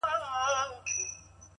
درد ناځوانه بيا زما’ ټول وجود نيولی دی’